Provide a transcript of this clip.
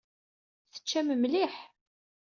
Teččam mliḥ.